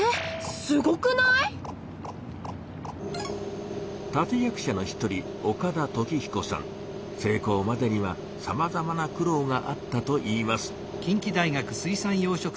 すごくない⁉立て役者の一人成功までにはさまざまな苦労があったといいます。